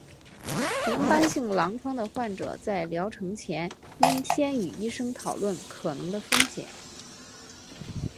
红斑性狼疮的患者在疗程前应先与医生讨论可能的风险。